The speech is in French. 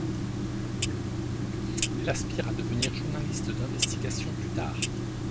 Elle aspire à devenir journaliste d'investigation plus tard.